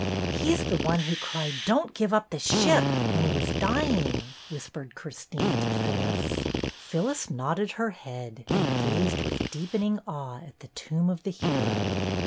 "He's the one who cried 'Don't give up the ship !' when he was dying," whispered Chris tine to Phyllis. Phyllis nodded her head and gazed with deepening awe at the tomb of the hero.